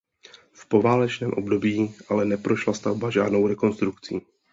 V poválečném období ale neprošla stavba žádnou rekonstrukcí.